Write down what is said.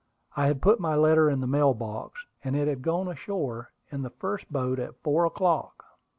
I had put my letter in the mail box, and it had gone ashore in the first boat at four o'clock.